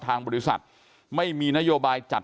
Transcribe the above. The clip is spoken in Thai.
ทางบริษัทไม่มีนโยบายจัด